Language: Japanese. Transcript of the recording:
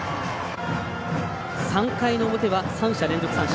３回の表は、３者連続三振。